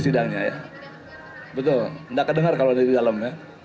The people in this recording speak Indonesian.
tidak kedengar kalau ada di dalam